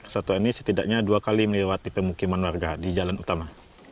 satwa ini setidaknya dua kali melewati pemukiman warga di jalan utama